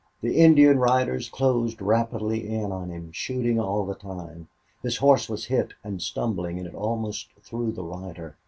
The Indian riders closed rapidly in on him, shooting all the time. His horse was hit, and stumbling, it almost threw the rider.